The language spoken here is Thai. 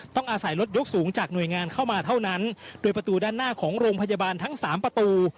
ต้องอาศัยรถยกสูงจากหน่วยงานเข้ามาเท่านั้นโดยประตูด้านหน้าของโรงพยาบาลทั้งสามประตู